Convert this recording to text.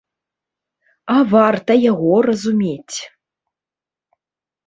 А варта яго разумець.